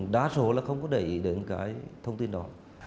đá số không có để ý đến thông tin đó